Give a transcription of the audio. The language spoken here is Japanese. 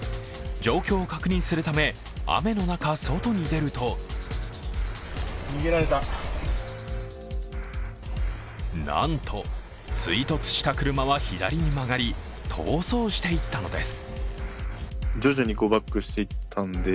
状況を確認するため雨の中外に出るとなんと追突した車は左に曲がり逃走していったのです。